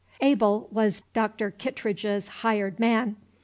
Abel was Dr. Kittredge's hired man.